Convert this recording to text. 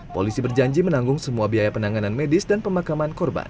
polisi berjanji menanggung semua biaya penanganan medis dan pemakaman korban